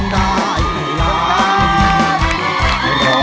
ขอบคุณที่กดแชร์